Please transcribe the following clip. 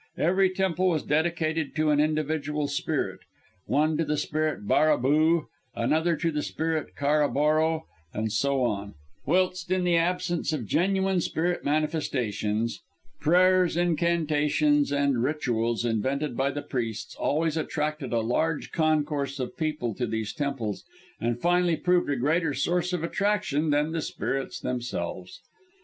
Every temple was dedicated to an individual spirit one to the Spirit Bara boo; another to the Spirit Karaboro, and so on; whilst in the absence of genuine spirit manifestations, prayers, incantations and rituals, invented by the priests, always attracted a large concourse of people to these temples, and finally proved a greater source of attraction than the spirits themselves.